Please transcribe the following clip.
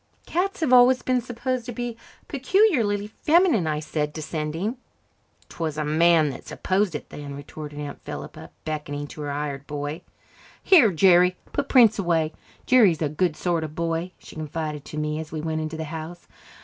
"Cats have always been supposed to be peculiarly feminine," I said, descending. "'Twas a man that supposed it, then," retorted Aunt Philippa, beckoning to her hired boy. "Here, Jerry, put Prince away. Jerry's a good sort of boy," she confided to me as we went into the house.